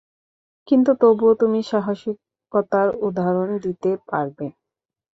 কিন্তু তবুও তুমি সাহসিকতার উদাহরণ দিতে পারবে।